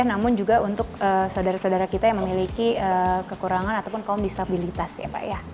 namun juga untuk saudara saudara kita yang memiliki kekurangan ataupun kaum disabilitas ya pak ya